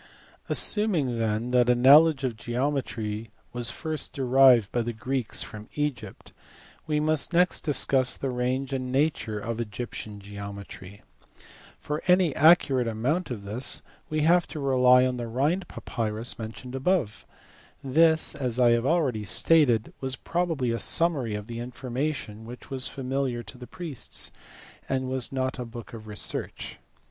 Assuming then that a knowledge of geometry was first derived by the Greeks from Egypt, we must next discuss the range and nature of Egyptian geometry f . For any accurate account of this we have to rely on the Rhind papyrus men tioned above : this, as I have already stated, was probably a summary of the information which was familiar to the priests, and was not a book of research.